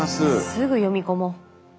すぐ読み込もう。